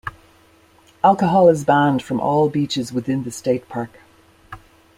Alcohol is banned from all beaches within the State Park.